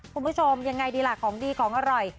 คุณผู้ชมยังไงดีล่ะของดีของอร่อย